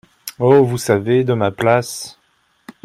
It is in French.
Oh ! vous savez, de ma place…